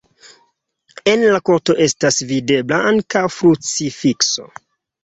En la korto estas videbla ankaŭ krucifikso.